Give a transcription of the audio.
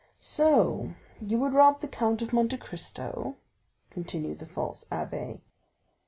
"So you would rob the Count of Monte Cristo?" continued the false abbé.